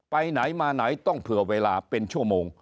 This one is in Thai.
ไปไหนมาไหนต้องเผื่อเวลาเป็นชั่วโมง